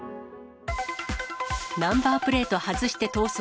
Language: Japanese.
ナンバープレート外して逃走。